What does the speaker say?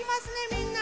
みんな。